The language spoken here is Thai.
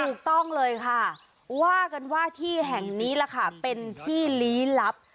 ถูกต้องเลยค่ะว่ากันว่าที่แห่งนี้ล่ะค่ะเป็นที่ลี้ลับ